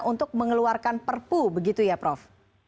untuk mengeluarkan perpu begitu ya prof